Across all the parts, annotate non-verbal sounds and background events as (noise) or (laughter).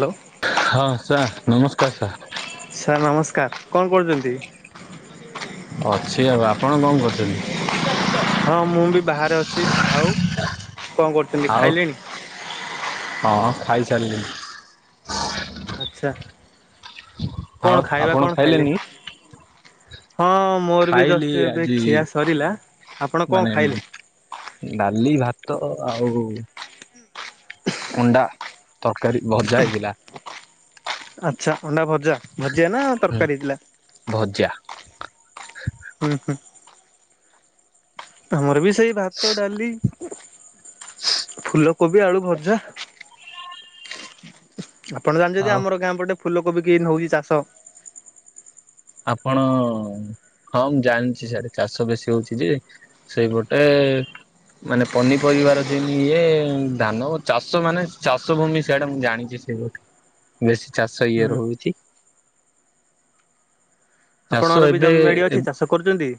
Hello ହଁ sir ନମସ୍କାର sir. Sir ନମସ୍କାର କଣ କରୁଛନ୍ତି? ଅଛି ଆଉ ଆପଣ କଣ କରୁଛନ୍ତି? ହଁ ମୁଁ ବି ବାହାରେ ଅଛି ଆଉ କଣ କରୁଛନ୍ତି ଆଉ ଖାଇଲେଣି? ହଁ ଖାଇ ସାରିଲିଣି। ଆଛା ଆଉ କଣ ଖାଇବା ଆପଣ କଣ ଖାଇଲେ? ଖାଇଲେନି? ହଁ ମୋର ବି ଖାଇଲି ଦଷ୍ଟ ଏବେ ଆଜି ଖିଆ ସରିଲା ଆପଣ ମାନେ କଣ ଖାଇଲେ? ଡାଲି ଭାତ ଆଉ ଅଣ୍ଡା ତରକାରୀ ଭଜା ହେଇଥିଲା। ଆଚ୍ଛା ଅଣ୍ଡା ଭଜା ଭଜିଆ ନା ହୁଁ ତରକାରୀ ହେଇଥିଲା। ଭଜା। ଉଁ ହୁଁ ଆମର ବି ସେଇ ଭାତ ଡାଲି ଫୁଲକୋବି ଆଳୁ ଭଜା। ଆପଣ ଜାଣିଛନ୍ତି ଆଉ ଆମର ଗାଁ ପଟେ ଫୁଲକୋବି କିନ୍ତି ହଉଛି ଚାଷ। ଆପଣ ହଁ ମୁଁ ଜାଣିଛି ସାର୍ ଚାଷ ବେଶୀ ହଉଛି ଯେ ସେଇପଟେ ମାନେ ପନିପରିବାର ଯେନି ଇଏ ଧାନ ଚାଷ ମାନେ ଚାଷ ଭୂମି ସେଇଆଡେ ମୁଁ ଜାଣିଛି ସେ ବେଶୀ ଚାଷ ହୁଁ ଇଏ ରହୁଛି। ଚାଷ ଆପଣଙ୍କର ବି ଏବେ ଜମିବାଡି ଅଛି ଚାଷ କରୁଛନ୍ତି?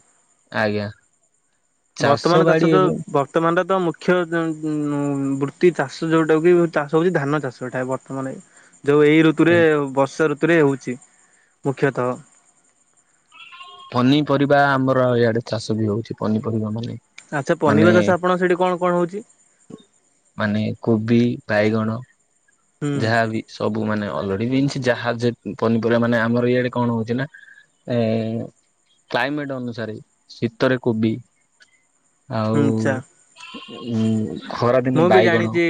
ଆଜ୍ଞା। ଚାଷ ବର୍ତ୍ତମାନ ବାଡି ଚାାଷ ତ ଏବେ ବର୍ତ୍ତମାନର ତ ମୁଖ୍ ମୁଖ୍ୟ ବୃତ୍ତି ଚାଷ ଜୋଉଟା କି ଚାଷ ହଉଛି ଧାନ ଚାଷ ଏଇଟା ବର୍ତ୍ତମାନ। ଯୋଉ ଏଇ ଋତୁରେ ବର୍ଷା ଋତୁରେ ହୋଉଛି ମୁଖ୍ୟତଃ। ପନିପରିବା ଆମର ଇଆଡେ ଚାଷ ବି ହଉଛି ପନିପରିବା ମାନେ ଆଚ୍ଛା ମାନେ ପନିବା ଚାସ ଆପଣ ସେଠି କଣ କଣ ହଉଛି? ମାନେ କୋବି, ବାଇଗଣ ହୁଁ ଯାହା ବି ସବୁ ମାନେ ଅଲଡି ବିନସ୍ ଯାହା ପନିପରିବା ମାନେ ଆମର ଇଆଡେ କଣ ହଉଛି ନା ଏ କ୍ଲାଇମେଟ ଅନୁସାରେ ଶୀତରେ କୋବି ଆଉ ହୁଁ ଆଚ୍ଛା ଉ ଖରାଦିନେ ମୁଁ ବି ବାଇଗଣ ଜାଣିଛି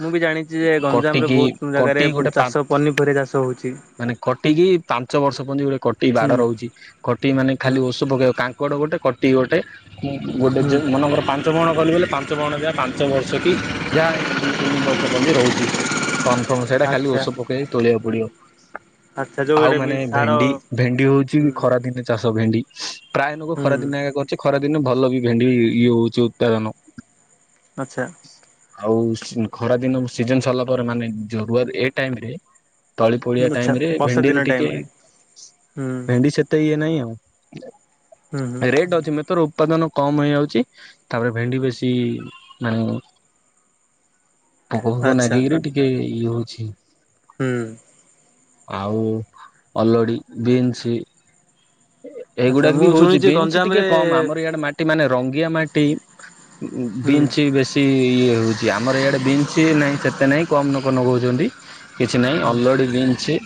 ମୁଁ ବି ଜାଣିଛି ଯେ କ ଗଞ୍ଜାମରେ ଟିକି ବହୁତ ଜାଗାରେ କଟି ଗୋଟେ ପା ଚାଷ ପନିପରିବା ଚାଷ ହଉଛି ମାନେ କଟିକି ପାଞ୍ଚ ବର୍ଷ ପର୍ଯ୍ୟନ୍ତ ଗୋଟେ କଟି ହୁଁ ବାଡ଼ ରହୁଛି। କଟି ମାନେ ହୁଁ ଖାଲି ଓସ ପକେଇବ କାଙ୍କଡ ଗୋଟେ କଟି ଗୋଟେ ହୁଁ ଗୋଟେ ମନର ପା ପାଞ୍ଚ ବହଣ କିବଲେ ପାଞ୍ଚ ବ୍ରହଣ ଯା ପାଞ୍ଚ ବର୍ଷ କି ଯାହା ଦି ତିନି ବର୍ଷ ପହ୍ଜି ରହୁଛି। କନଫର୍ମ ସେଇଟା ଖାଲି ଆଚ୍ଛା ଔଷ ପକେଇକି ତୋଳିବାକୁ ପଡିବ। ଆଚ୍ଛା ଆଉ ଯୋଉଟା ବି ମାନେ ସାର ଭେଣ୍ଡି ଭେଣ୍ଡି ହଉଛି ହୁଁ ଖରା ଦିନେ। ଚାଷ ଭେଣ୍ଡି ପ୍ରାୟ ଲୋକ ଖରା ହୁଁ ଦିନ ଅଛି। ଖରା ଦିନେ ଭଲ ବି ଭେଣ୍ଡି ଇଏ ହଉଛି ଉତ୍ପାଦନ। ଆଚ୍ଛା। ଆଉ ଖରା ଦିନ ସିଜନ ସରିଲା ପରେ ମାନେ ଜରୁଆର ଏ ଟାଇମରେ ତଳି ପୋଡିଆ ଆଚ୍ଛା ଟାଇମରେ ବର୍ଷା ଦିନ ଭେଣ୍ଡିରୁ ଟିକେ ଟାଇମରେ ହୁଁ ଭେଣ୍ଡି ସେ ତେ ଇଏ ନାଇଁ ହୁଁ ହୁଁ ଆଉ ରେଟ୍ ଅଛି ମିତୋର ଉତ୍ପାଦନ କମ ହେଇଯାଉଛି ତାପରେ ଭେଣ୍ଡି ବେଶୀ ମାନେ ପୋକ ଫୋକ ଆଚ୍ଛା ନାଗିକିରି ଟିକେ ଇଏ ହଉଛି। ହୁଁ। ଆଉ ଅଲଡ଼ି ବିନ୍ସ ଆଚ୍ଛା ଏଇଗୁଡାକ ମୁଁ ବି ହଉଛି ଶୁଣିଛି ବିନ୍ସ ଟିକେ ଗଞ୍ଜାମରେ କମ ଆମର ଇଆଡେ ମାଟି ମାନେ ରଙ୍ଗିଆ ମାଟି। ଉଁ ହୁଁ ବିନ୍ସ ବେଶ ସେ ଇଏ ହଉଛି ଆମର ଇଆଡେ ବିନ୍ସ ନାହିଁ ସେତେ ନାହିଁ କମ ଲୋକ ନଗଉଛନ୍ତି। କିଛି ନାହିଁ ହୁଁ ଅଲଡି ବିନ୍ସ।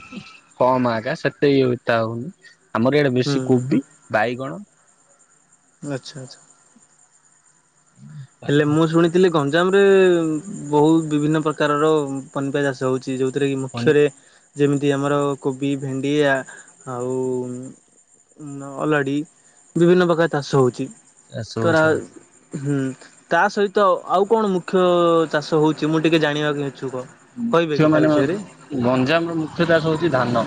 କମ ଆଜ୍ଞା ସେତେ ତା ହଉନି ଆମର ଏଇଡେ ବେଶୀ ହୁଁ କୋବି ବାଇଗଣ ଆଚ୍ଛା ଆଚ୍ଛା। ହେଲେ ମୁଁ ଶୁଣିଥିଲି ଗଞ୍ଜାମରେ ବହୁତ ବିଭିନ୍ନ ପ୍ରକାରର ପନିପରିବା ଚାଷ ହଉ। ଯୋଉଥିରେ କି ପନିର ମୁଖ୍ୟରେ ଯେମିତି ଆମର କୋବି ଭେଣ୍ଡିଆ ଆଉ ଅଲଡି ବିଭିନ୍ନ ପ୍ରକାର ଚାଷ ହଉଛି ଚାଷ ତରା ହଉଛି ହୁଁ ତା ସହିତ ଆଉ କଣ ମୁଖ୍ୟ ଚାଷ ହଉଛି ମୁଁ ଟିକେ ଜାଣିବାକୁ ଇଛୁକ? କହିବେକି ତା ଝିଅମାନେ ବିଷୟରେ? ଗଞ୍ଜାମର ମୁଖ୍ୟ ଚାଷ ହଉଛି ଧାନ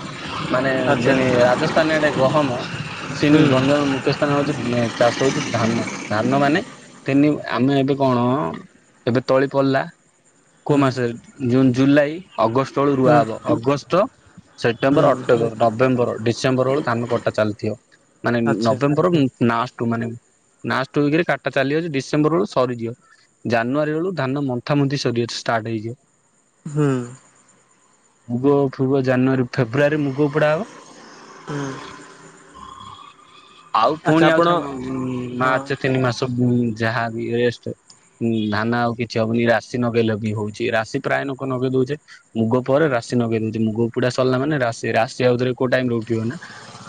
ମାନେ ଆଚ୍ଛା ଯେନେ ରାଜସ୍ଥାନେ ଆଡେ ଗହମ ସମେତି ହୁଁ (unintelligible) ସ୍ଥାନ ହଉଛି ଚାଷ ହଉଛି ଧାନ ଧାନ ମାନେ ତିନି ଆମେ ଏବେ କଣ ଏବେ ତଳି ପଡ଼ିଲା। କୋଉ ହୁଁ ମାସରେ ଜୁନ ଜୁଲାଇ ଅଗଷ୍ଟ ବେଳୁ ରୁଆ ହୁଁ ହବ ଅଗଷ୍ଟ ହୁଁ ସେପ୍ଟେମ୍ବର ଅକ୍ଟୋବର ନଭେମ୍ବର ଡିସେମ୍ବର ବେଳକୁ ଧାନ କଟା ଚାଲିଥିବ ମାନେ ଆଚ୍ଛା ନଭେମ୍ବର ଉଁ ନାଷ୍ଟକୁ ମାନେ ନାଷ୍ଟ ଉଇକରେ କାଟା ଚାଲିବ ଯେ ଡିସେମ୍ବର ବେଳୁ ସରିଯିବ। ଜାନୁଆରୀ ବେଳୁ ଧାନ ମନ୍ଥା ମନ୍ତି ସରିିବ ଷ୍ଟାର୍ଟ ହେଇଯିବ। ହୁଁ। ମୁଗ ଫୁଗ ଜାନୁଆରୀ ଫେବୃୟାରୀ ମୁଗ ଓପୋଡା ହବ। ହଁ। ଆଉ ପୁଣି ଆଉଥରେ ଉଁ ହଁ ମାର୍ଚ୍ଚ ତିନି ମାସ। ଉଁ ଯାହା ବି ରେଷ୍ଟ ଉଁ ଧାନ ଆଉ କିଛି ହବନି ରାଶି ନଗେଇଲେ ବି ହଉଛି ରାଶି ପ୍ରାୟ ନୋକ ନଗେଇ ଦଉଛେ ମୁଗ ପରେ ରାଶ ନଗେଇ ଦଉଛି ମୁଗ ଉପୁଡା ସରିଲା ମାନେ ରାଶି ରାଶି ଆଉଥରେ କୋଉ ଟାଇମ ରୁ ଥିବ ନା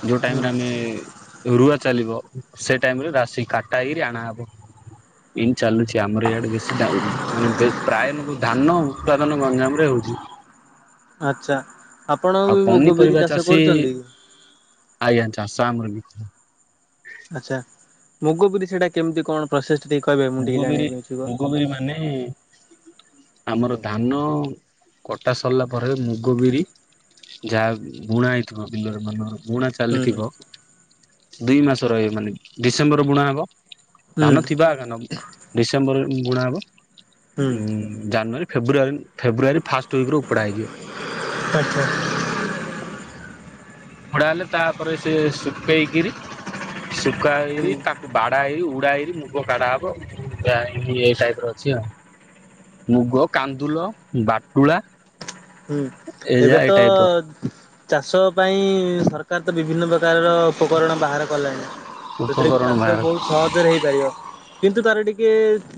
ଯୋଉ ହୁଁ ଟାଇମରେ ଆମେ ରୁଆ ଚାଲିବ ସେ ଟାଇମରେ ରାଶି କାଟା ହେଇକରି ଆଣାହେବ। ଏଇ ଚାଲୁଛି ଆମର ଇଆଡେ ବେଶୀ (unintelligible) ମାନେ ପ୍ରାୟ ନୋ ଧାନ ଉତ୍ପାଦନ ଗଞ୍ଜାମରେ ହଉଛି। ଆଚ୍ଛା ଆପଣ ଆଉ ବି ମୁଗ ପନିପରିବା ବିରି ଚାଷ ଚାଷୀ କରୁଛନ୍ତି? ଆଜ୍ଞା ଚାଷ ଆମର ବି ଆଚ୍ଛା ମୁଗ ବିରି ସେଇଟା କେମିତି କଣ ପ୍ରସେସ ଟା ଟିକେ କହିବେ ମୁଁ ମୁଗ ଟିକେ ବିରି ଜଣିବା ପାଇଁ ଇଛୁକ। ମୁଗ ବିରି ମାନେ ଆମର ଧାନ କଟା ସରିଲା ପରେ ମୁଗ ବିରି ଯାହା ବୁଣା ହେଇଥିବ ବିଲରେ ମାନ ବୁଣା ହୁଁ ଚାଲିଥିବ ଦୁଇ ମାସ ର ମାନେ ଡିସେମ୍ବର ବୁଣା ହବ। ହୁଁ ଧାନ ଥିବା ଧାନ ଆଗେ ନ ଡିସେମ୍ବର ବୁଣା ହବ ହୁଁ ଉ ଜାନୁଆରୀ ଫେବୃାରୀ ଫେବୃୟରୀ ଫାଷ୍ଟ ୱିକେ ଉପୁଡ଼ା ହେଇଯିବ। ଆଚ୍ଛା ଭଡା ହେଲେ ତାପରେ ସେ ସୁଖେଇକିରି ଶୁଖା ହେଇରି ହୁଁ ତାକୁ ବାଡା ହେଇରି ଉଡା ହେଇରି ମୁଗ କାଢାବ। ଗ ଏଇ ଟାଇପ ର ଅଛି ଆଉ। ମୁଗ କାନ୍ଦୁଲ ବାଟୁଳା। ହୁଁ ଏଇଯା ଏବେ ଏଇ ତ ଟାଇପ ର ଚାଷ ପାଇଁ ସରକାର ତ ବିଭିନ୍ନ ପ୍ରକାରର ଉପକରଣ ବାହାର କଲେଣି। ସେଥିରେ କି ଉପକରଣ ଚାଷ ବାହାର ବହୁତ ସହଜରେ ହେଇପାରିବ। କିନ୍ତୁ ତାର ଟିକେ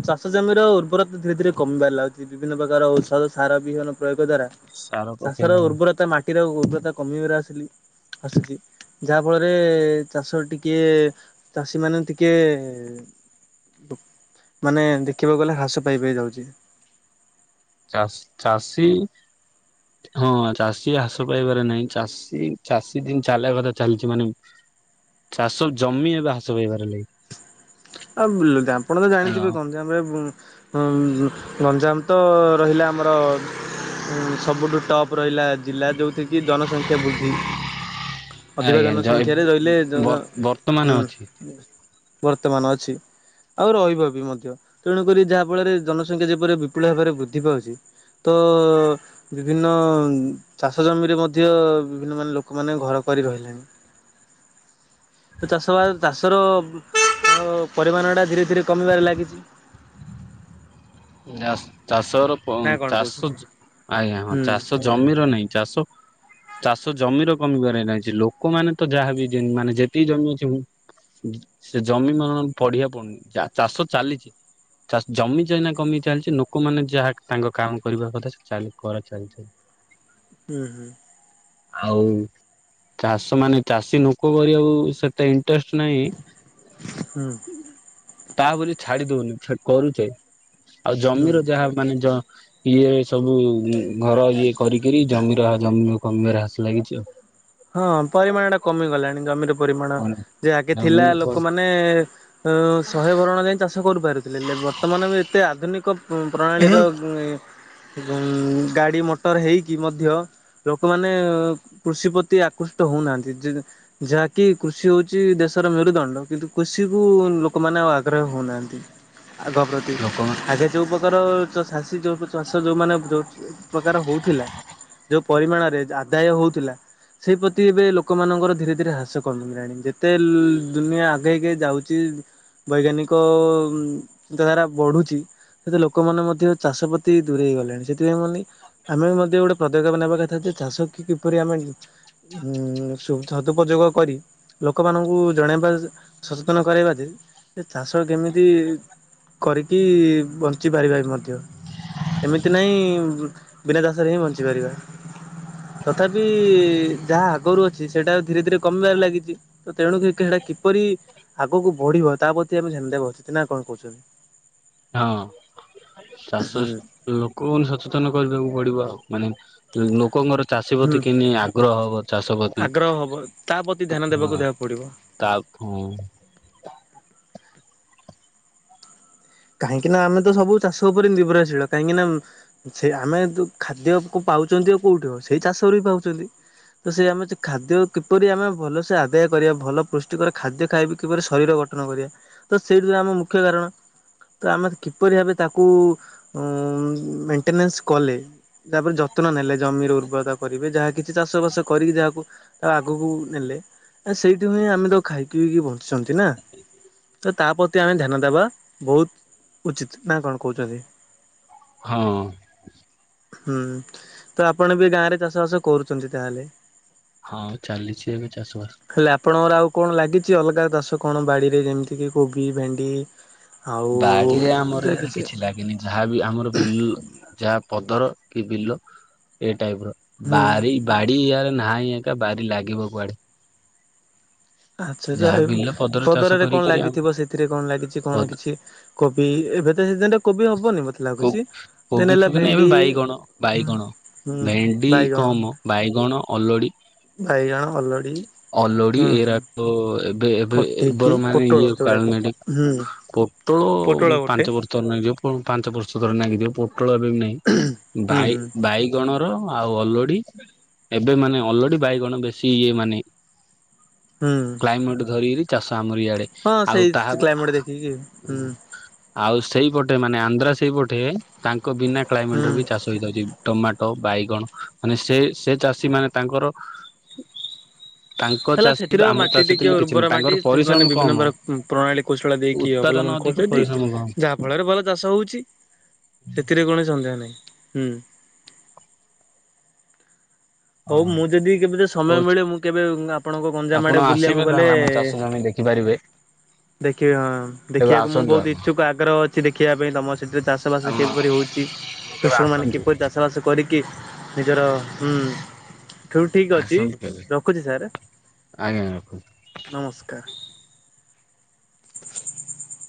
ଚାଷ ଜମି ର ଉର୍ବରତା ଧୀରେ ଧୀରେ କମିବାରେ ଲାଗୁଛି। ବିଭିନ୍ନ ପ୍ରକାର ଔଷଧ ସାର ବିହନ ପ୍ରୟୋଗ ଦ୍ଵାରା ସାର ଚାଷର ପକେଇବା ଉର୍ବରତା ମାଟି ର ଉର୍ବରତା କମିବାରେ ଆସିଲି ଆସଛି। ଯାହା ଫଳରେ ଚାଷ ଟିକେ ଚାଷୀ ମାନେ ଟିକେ ମାନେ ଦେଖିବାକୁ ଗଲେ ଘ୍ରାସ ପାଇବା ଯାଉଛି। ଚାଷୀ ହଁ ଚାଷୀ ହ୍ରାସ ପାଇବାରେ ନାହିଁ ଚାଷୀ ଚାଷୀ ଚାଷୀ ଦିନ ଚାଲିବା କଥା ଚାଲିଛି ମାନେ ଚାଷ ଜମି ଏବେ ହାସ ପାଇବାର ଲାଗି ଆଉ ଆପଣ ତ ଜାଣିଥିବେ କହନ୍ତ। ରେ ଗଞ୍ଜାମ ତ ରହିଲା ଆମର ସବୁଠୁ ଟପ୍ ରହିଲା ଜିଲ୍ଲା ଯେଉଁଠ କିି ଜନସଂଖ୍ୟା ବୃଦ୍ଧି ଅଧିକ ଆଜ୍ଞା ଜ ଜନସଂଖ୍ୟାରେ ରହିଲେ ବ ବର୍ତ୍ତମାନ ହୁଁ ଅଛି ବର୍ତ୍ତମାନ ଅ ଅଛି ଆଉ ରହିବ ବି ମଧ୍ୟ। ତେଣୁକରି ଯାହା ଫଳରେ ଜନସଂଖ୍ୟା ଯେପରି ବିପୁଳ ଭାବରେ ବୃଦ୍ଧି ପାଉଛି ତ ବିଭିନ୍ନ ଚାଷ ଜମିରେ ମଧ୍ୟ ବିଭିନ୍ନ ମାନେ ଲୋକମାନୋନ ଘର କରି ରହିଲେଣି। ତ ଚାଷ ବା ଚାଷର ପରିମାଣ ଟା ଧୀରେ ଧୀରେ କମିବାରେ ଲାଗିଛି। ଚାଷର ଚାଷ ଆଜ୍ଞା ହଁ ହୁଁ ଚାଷ ଜମିର ନାହିଁ ଚାଷ ଚାଷ ଜମିର କମିବାରେ ରହିଛି ଲୋକମାନେ ତ ଯାହାବି ମାନେ ଯେତିକି ଜମି ଅଛି। ସେ ଜମି ମ ପଢିବା ପଡୁନି ଚାଷ ଚାଲିଛି ଜମି ଯନା କମି ଚାଲିଛି ଲୋକମାନୋନେ ଯାହା ତାଙ୍କ କାମ କରିବା କଥା ଚା କର ଚାଲିଛନ୍ତି। ହୁଁ ହୁଁ। ଆଉ ଚାଷ ମାନେ ଚାଷୀ ଲୋକ କରିବାକୁ ସେତେ ହୁଁ (unintelligible) ତାପରେ ଛାଡି ଦଉନି ପୁଣି କରୁଛେ। ଆଉ ହୁଁ। ଜମିର ଯାହା ମାନେ ଯ ଇଏ ସବୁ ଘର ଇଏ କରିକିରି ଜମିର ଜମି କମିବାରେ ହ୍ରାସ ଲାଗିଛି ଆଉ। ହଁ ପରିମାଣ ଟା କମିଗଲାଣି ଜମିର। ପରିମାଣ କଣ ଯେ ଆଗେ ଜମି ଥିଲା ଲୋକମାନେ ଅ ଶହେ ବରଣ ଯାଇ ଚାଷ କରୁପାରୁଥିଲେ ବର୍ତ୍ତମାନ ବି ଏତେ ଆଧୁନିକ ପ୍ରଣାଳୀର ଏବଂ ଗାଡି ମଟର ହେଇକି ମଧ୍ୟ ଲୋକମାନେ କୃଷି ପ୍ର ତି ଆକୃଷ୍ଟ ହଉନାହାନ୍ତି ଯେ ଯାହାକି କୃଷି ହଉଛି ଦେଶର ମେରୁଦଣ୍ଡ କିନ୍ତୁ କୃଷି କୁ ଲୋକମାନେ ଆଉ ଆଗ୍ରହ ହଉନାହାନ୍ତି। ଆଗ ପ୍ରତି ଲୋକମାନେ ଆଜ ଯୋଉ ପ୍ରକାର ଚାଷୀ ଯୋଉ ଚାଷ ଯୋଉମାନୋନ ଯୋଉ ପ୍ରକାର ହଉଥିଲା ଯୋଉ ପରିମାଣରେ ଆଦାୟ ହଉଥିଲା। ସେହି ପ୍ର୍ରତି ଏବେ ଲୋକମାନଙ୍କର ଧୀରେ ଧୀରେ ହ୍ରାସ କମଗାଣି ଯେତେ ଦୁନିଆ ଆଗେଇକ ଯାଉଛି। ବୈଜ୍ଞାନିକ ଚିନ୍ତାଧାରା ବଢୁଛି। ସେତ ଲୋକମାନେ ମଧ୍ୟ ଚାଷ ପ୍ରତି ଦୂରେଇ ହେଇଗଲେଣି ସେଥିପାଇଁ ମାନ ଆମେ ମଧ୍ୟ ଗୋଟେ ପଦକ୍ଷେପ ନେବା କଥା ଯେ ଚାଷ କି କିପରି ଆମେ ହୁଁ ସଦୁପଯୋଗ କରି ଲୋକମାନଙ୍କୁ ଜଣେଇବା ସଚେତନ କରାଇବା ଯେ ଚାଷ କେମିତି କରିକି ବଞ୍ଚି ପାରିବା ବି ମଧ୍ୟ। ଏମିତି ନାହିଁ ବିନା ଚାସରେ ହିଁ ବଞ୍ଚିପାରିବା। ତଥାପି ଯାହା ଆଗରୁ ଅଛି ସେଇଟା ଧୀରେ ଧୀରେ କମିବାରେ ଲାଗିଛି ତ ତେଣୁକ ସେଟା କିପରି ଆଗକୁ ବଢିବ ତା ପ୍ରତି ଆମେ ସେମତା କହୁ ନା କଣ କହୁଛନ୍ତି? ହଁ ଚାଷ ଲୋକ ସଚେତନ କରିବାକୁ ପଡିବ ଆଉ ମାନେ ଲୋକଙ୍କର ଚାଷୀ ହୁଁ ପ୍ରତି କି ନେଇି ଆଗ୍ରହ ହବ ଚାଷ ପ୍ରତି ଆଗ୍ରହ ହବ ତା ପ୍ରତି ଧ୍ୟାନ ହଁ ଦେବାକୁ ଦେବାକୁ ପଡିବ। ତା କାହିଁକି ନା ଆମେ ତ ସବୁ ଚାଷ ଉପରେ ନିର୍ଭରଶୀଳ କାହିଁକି ନା ସେ ଆମେ ଖାଦ୍ୟ ପାଉଛନ୍ତି ଆଉ କୋଉଠି ଆ ସେଇ ଚାଷରୁ ବିି ପାଉଛନ୍ତି। ତ ସେ ଆମେ ସେ ଖାଦ୍ୟ କିପରି ଆମେ ଭଲସେ ଆଦାୟ କରିବା ଭଲ ପୃଷ୍ଟିିକର ଖାଦ୍ୟ ଖାଇବି କିପରି ଶରୀର ପାଠନ କରିବା ତ ସେଇଠ ଆମ ମୁଖ୍ୟ କାରଣ ତ ଆମେ କିପରି ଭାବେ ତାକୁ ମେଣ୍ଟେନନ୍ସ କଲେ ତାପରେ ଯତ୍ନ ନେଲେ ଜମିର ଉର୍ବରତା କରିବେ ଯାହା କିଛି ଚାଷ ବାସ କରିକି ଯାହାକୁ ଆ ଆଗକୁ ନେଲେ ସେଇଠି ହୁଁ ଆମେ ତ ଖାଇକିଇକି ବଞ୍ଚିଛନ୍ତି ନା ତ ତା ପ୍ରତି ଆମେ ଧ୍ୟାନ ଦେବା ବହୁତ ଉଚିତ ନା କଣ କହୁଛନ୍ତି। ହଁ ହୁଁ ତ ଆପଣ ବି ଗାଁ ରେ ଚାଷ ବାସ କରୁଛନ୍ତି ତାହେଲେ? ହଁ ଚାଲିଛି ଏବେ ଚାଷ ବାସ। ହେଲେ ଆପଣଙ୍କର ଆଉ କଣ ଲାଗିଛି ଅଲଗା ଚାଷ କଣ ବାଡ଼ିରେ ଯେମିତିକି କୋବି ଭେଣ୍ଡି? ଆଉ ବାଡି ଆମର କିଛି ଲାଗେ ଯାହାବି ଆମର ବିଲ ଯାହା ପଦର କି ବିଲ ଏ ଟାଇପ ର ହୁଁ ବାରି ବାଡି ଇୟାରେ ନାହିଁ ଏକା ବାରି ଲାଗିବ କୁଆଡେ। ଆଚ୍ଛା ଯାହା ବିଲ ପଦର ଚାଷ ପଦରରେ କଣ କରିକରି ଆମ ଲାଗିଥିବ ସେଥିରେ କଣ ଲାଗିଛି କଣ କିଛି କୋବି ଏବେ ତ ସିଜନରେ କୋବି ହବନି ମତେ ଲାଗୁଛି କୋବି ଦେନ ହେଲା ଫୋବି ନା ଏବେ ଭେଣ୍ଡି ବାଇଗଣ ବାଇଗଣ ହୁଁ ଭେଣ୍ଡି ବାଇଗଣ କମ ବାଇଗଣ ଅଲୋଡି ବାଇଗଣ ଅଲଡି ହୁଁ ହୁଁ ତ ଏବେ ଏବେ କଟିକି ବର ମାନେ ପୋଟଳ ଇଏ କାଳ ଯୋଉଟା କି ହୁଁ ପୋଟଳ ପାଞ୍ଚ ବର୍ଷ ରାଗିଯିବ ପାଞ୍ଚ ବର୍ଷ ଥରାଗିଯିବ ପୋଟଳ ଏବେ ବି ନାହିଁ ହୁଁ ବାଇ ହୁଁ। ବାଇକ୍ ଗଣ ର ଆଉ ଅଲୋଡି ଏବେ ମାନେ ଅଲୋଡି ବାଇଗଣ ବେଶୀ ଇଏ ମାନେ ହୁଁ ଟାଇମଟେ ଧରିକରି ଚାଷ ଆମର ଇଆଡ଼େ ହଁ ସେଇ କ୍ଲାଇମେଟ ଦେଖିକି ହୁଁ। ଆଉ ସେଇପଟେ ମାନେ ଆନ୍ଧ୍ରା ସେଇପଟେ ତାଙ୍କ ବିନା ହୁଁ। କ୍ଲାଇମେଟରେ ବି ଚାଷ ଛି ଟମାଟୋ ବାଇଗଣ ମାନେ ସେ ସେ ଚାଷୀ ମାନେ ତାଙ୍କର ତାଙ୍କ ହେଲା ଚାଷୀ ସେଥିର ଆମ ମାଟି ଚାଷୀ ଦେଇକି ଥିଲେ କିଛି ନାହିଁ ଉର୍ବର ତାଙ୍କର ମାଟି ପରିଶ୍ରମ ସେମାନେ ବିଭିନ୍ନ କମ ପ୍ରକାର ପ୍ରଣାଳୀ କୌଶଳ ଦେଇକି ଉତ୍ପାଦନ ଅବଲମ୍ବନ ଅଧିକ କରୁଛନ୍ତି ପରିଶ୍ରମ କମ। ଯାହା ଫଳରେ ଭଲ ଚାଷ ହଉଛି ସେଥିରେ କୌଣସି ସନ୍ଦେହ ନାହିଁ ହୁଁ। ହଉ ମୁଁ ଯଦି କେବେ ସମୟ କହୁଛି ମିଳେ ମୁଁ କେବେ ଆପଣଙ୍କ ଗଞ୍ଜାମ ଆପଣ ଆଡେକୁ ଆସିବେ ବୁଲିବାକୁ ଗଲେ ତାହେଲେ ଆମ ଚାଷ ଜମି ଦେଖିପାରିବେ। ଦେଖିବି ହଁ କେବେ ଦେଖିବାକୁ ମୁଁ ଆସନ୍ତୁ ବହୁତ ଆପଣ। ଇଚ୍ଛୁକ ଆଗ୍ରହ ଅଛି। କିଛି ଦେଖିବା ପାଇଁ ତମ ସେଠରେ ଚାଷ ବାସ ଆମ କିପରି ହଉଛି କେବେ କୃଷକ ମାନ ଆସନ୍ତୁ କିପରି ଚାଷ ଚାଷବାସ କରିକି ନିଜର ଠୁ ଠିକ ଅଛି ଆସନ୍ତୁ କେବେ ରଖୁଛି ସାର୍ ଆଜ୍ଞା ରଖୁ ନମସ୍କାର।